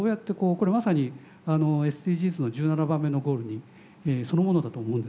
これまさにＳＤＧｓの１７番目のゴールにそのものだと思うんですけど。